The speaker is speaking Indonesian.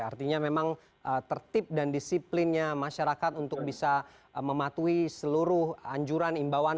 artinya memang tertib dan disiplinnya masyarakat untuk bisa mematuhi seluruh anjuran imbauan